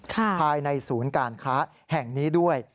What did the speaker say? ภายในศูนย์การค้าแห่งนี้ด้วย